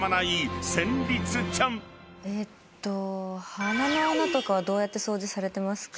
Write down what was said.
鼻の穴とかはどうやって掃除されてますか？